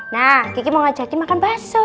nah kiki mau ngajakin makan bakso